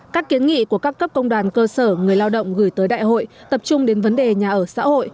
các kiến nghị của các cấp công đoàn cơ sở người lao động gửi tới đại hội tập trung đến vấn đề nhà ở xã hội